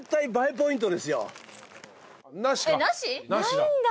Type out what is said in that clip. ないんだ。